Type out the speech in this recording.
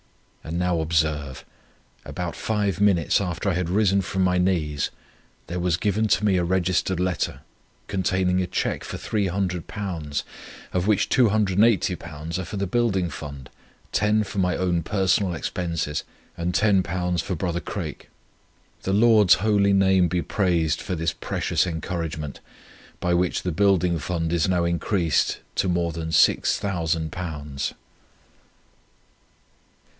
And now observe: About five minutes, after I had risen from my knees, there was given to me a registered letter, containing a cheque for £300, of which £280 are for the Building Fund, £10 for my own personal expenses, and £10 for Brother Craik. The Lord's holy name be praised for this precious encouragement, by which the Building Fund is now increased to more than six thousand pounds."